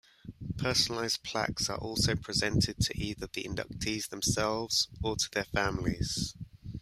Personalized plaques are also presented to either the inductees themselves or to their families.